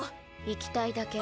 行きたいだけ。